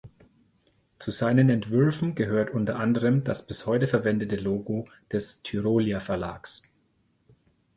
Zu seinen Entwürfen gehört unter anderem das bis heute verwendete Logo des Tyrolia Verlags.